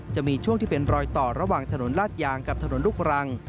จะมีช่วงที่เป็นรอยต่อระหว่างถนนลาดยางกับถนนลูกรัง